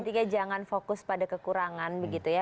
jadi intinya jangan fokus pada kekurangan gitu ya